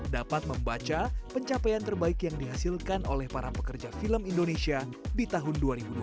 dapat membaca pencapaian terbaik yang dihasilkan oleh para pekerja film indonesia di tahun dua ribu dua puluh